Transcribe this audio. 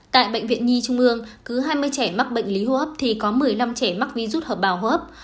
tại bệnh viện nhi trung ương cứ hai mươi trẻ mắc bệnh lý hô hấp thì có một mươi năm trẻ mắc virus hợp bào hô hấp